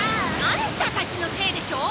あんたたちのせいでしょ！